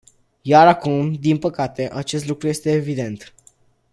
Iar acum, din păcate, acest lucru este evident.